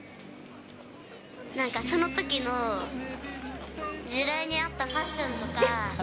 なんかそのときの時代に合ったファッションとか。